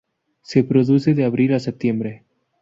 Se reproduce de abril a septiembre.